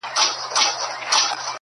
o دا ځلي غواړم لېونی سم د هغې مینه کي.